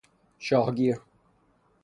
شاه گیر